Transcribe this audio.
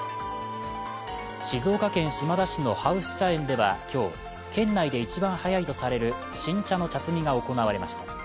静岡県島田市のハウス茶園では今日県内で一番早いとされる新茶の茶摘みが行われました。